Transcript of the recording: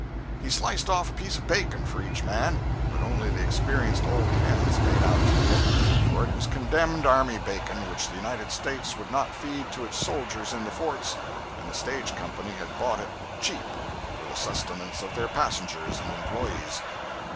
He sliced off a piece of bacon for each man, but only the experienced old hands made out to eat it, for it was condemned army bacon which the United States would not feed to its soldiers in the forts, and the stage company had bought it cheap for the sustenance of their passengers and employees.